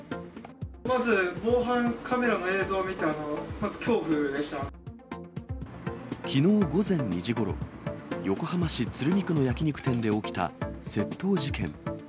まず防犯カメラの映像を見てきのう午前２時ごろ、横浜市鶴見区の焼き肉店で起きた窃盗事件。